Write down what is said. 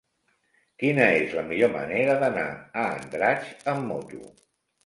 Quina és la millor manera d'anar a Andratx amb moto?